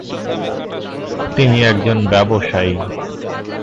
তিনি একজন ব্যবসায়ী।